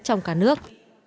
trong cả nước